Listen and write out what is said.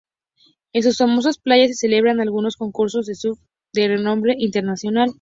En sus famosas playas se celebran algunos concursos de surf de renombre internacional.